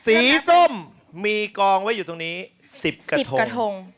สีส้มมีกองไว้อยู่ตรงนี้๑๐กระทงกระทง